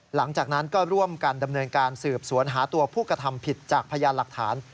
หลังจากนั้นก็ร่วมกันดำเนินการสืบสวนหาตัวผู้กระทำผิดจากพยานหลักฐาน